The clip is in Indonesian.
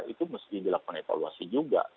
itu mesti dilakukan evaluasi juga